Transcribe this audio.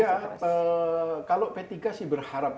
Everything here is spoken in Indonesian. ya kalau p tiga sih berharap